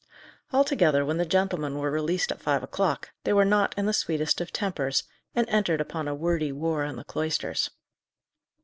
Altogether, when the gentlemen were released at five o'clock, they were not in the sweetest of tempers, and entered upon a wordy war in the cloisters.